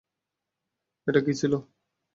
এটা কী ছিল?